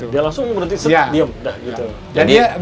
dia langsung berhenti set diam